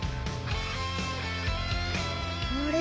あれ？